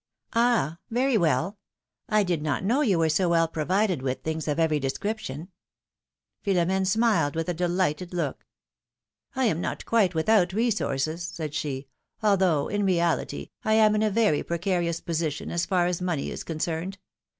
^^Ah ! very well. I did not know you were so well provided with things of every description !" Philom^ne smiled with a delighted look. I am not quite without resources," said she, although, in reality, I am in a very precarious position as far as money is concerned.